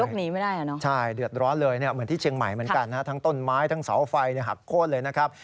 ก็หนีไม่ได้อ่ะเนอะใช่เดือดร้อนเลยเนี่ยเหมือนที่เชียงใหม่เหมือนกันทั้งต้นไม้ทั้งเสาไฟหักโค้นเลยนะครับ